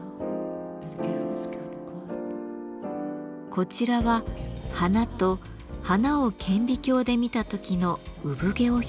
こちらは花と花を顕微鏡で見た時の産毛を表現しています。